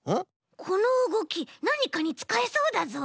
このうごきなにかにつかえそうだぞ！